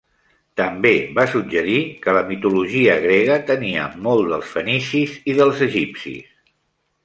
També va suggerir que la mitologia grega tenia molt dels fenicis i dels egipcis.